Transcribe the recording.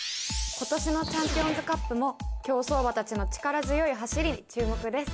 今年のチャンピオンズカップも競走馬たちの力強い走りに注目です